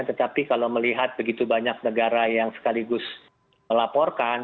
tetapi kalau melihat begitu banyak negara yang sekaligus melaporkan